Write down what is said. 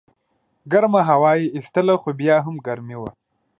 ګرمه هوا یې ایستله خو بیا هم ګرمي وه.